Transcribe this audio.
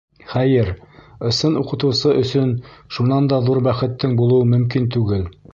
Хәйер, ысын уҡытыусы өсөн шунан да ҙур бәхеттең булыуы мөмкин түгел.